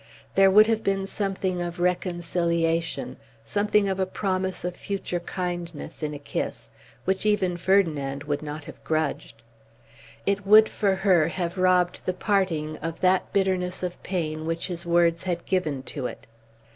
There would have been something of reconciliation, something of a promise of future kindness in a kiss, which even Ferdinand would not have grudged. It would, for her, have robbed the parting of that bitterness of pain which his words had given to it.